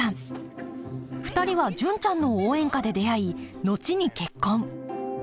２人は「純ちゃんの応援歌」で出会い後に結婚